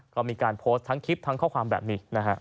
ก็มีการโพสต์ทั้งคลิปทั้งข้อความแบบนี้นะฮะ